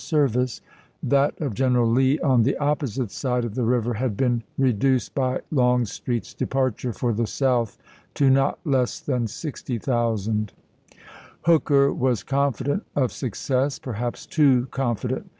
service ; that of General Lee on the opposite side of the river had been reduced by Longstreet's depart ure for the South to not less than 60,000. iwd.,P.23a Hooker was confident of success — perhaps too confident.